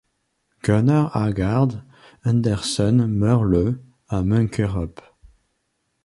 Gunnar Aagaard Andersen meurt le à Munkerup.